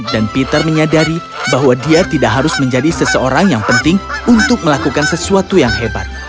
dan peter menyadari bahwa dia tidak harus menjadi seseorang yang penting untuk melakukan sesuatu yang hebat